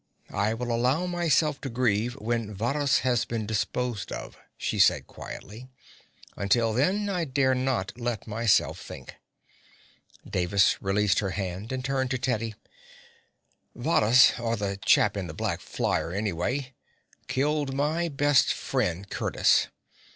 "I will allow myself to grieve when Varrhus has been disposed of," she said quietly. "Until then I dare not let myself think." Davis released her hand and turned to Teddy. "Varrhus or the chap in the black flyer, anyway killed my best friend, Curtiss.